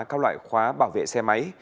các loại khóa bảo vệ xe máy